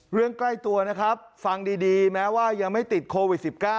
ใกล้ตัวนะครับฟังดีแม้ว่ายังไม่ติดโควิด๑๙